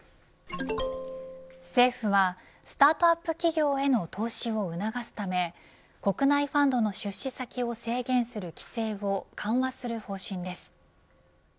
政府はスタートアップ企業への投資を促すため国内ファンドの出資先を制限する規制を緩和する方針です。